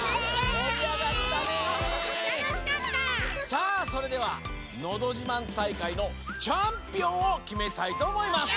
さあそれではのどじまん大会のチャンピオンをきめたいとおもいます！